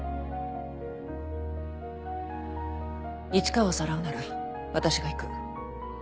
市川をさらうなら私が行く。